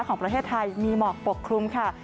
ของประเทศไทยมีหมอกปกครุมค่ะ